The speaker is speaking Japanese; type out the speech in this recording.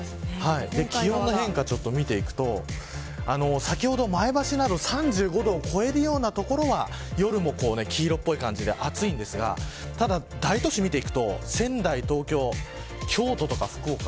気温の変化を見ていくと先ほど、前橋など３５度を超える所は夜も黄色っぽい感じで暑いんですがただ、大都市を見ていくと仙台、東京、京都とか福岡。